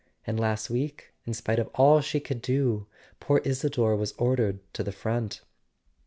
And last week, in spite of all she could do, poor Isador was ordered to the front."